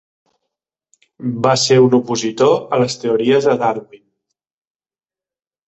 Va ser un opositor a les teories de Darwin.